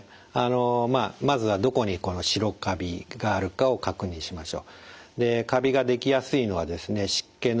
まずはどこに白カビがあるかを確認しましょう。